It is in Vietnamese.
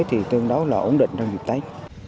thì tương đối là ổn định trong dịp tết